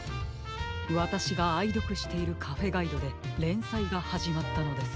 わたしがあいどくしているカフェガイドでれんさいがはじまったのです。